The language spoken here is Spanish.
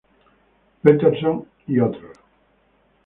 Peterson et al.